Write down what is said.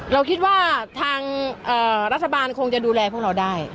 เราคิดว่าทางรัฐบาลคงจะดูแลพวกเราได้